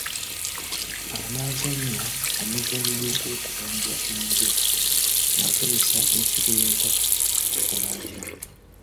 Anaazannya omuzannyo gw'okubonja enje ng'akozesa ensigo y'empafu akola atya?